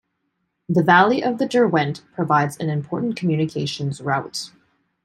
The valley of the Derwent provides an important communications route.